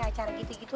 yaa bener itu